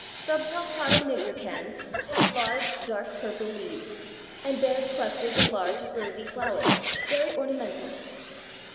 Subpeltata nigricans has large, dark purple leaves, and bears clusters of large rosy flowers, very ornamental.